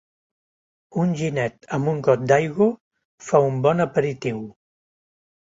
Un ginet amb un got d'aigo fa un bon aperitiu